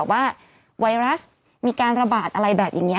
ว่าไวรัสมีการระบาดอะไรแบบนี้